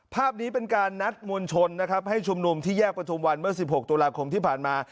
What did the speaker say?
ภาพนี้เป็นการนัดมวลชนนะครับให้ชุมนุมที่แยกประทุมวันเมื่อ๑๖ตุลาคมที่ผ่านมา